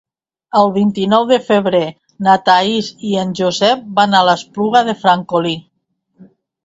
El vint-i-nou de febrer na Thaís i en Josep van a l'Espluga de Francolí.